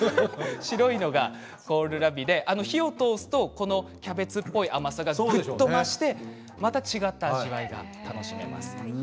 白いのがコールラビで火を通すとキャベツっぽい甘さがぐっと増してまた違った味わいが楽しめます。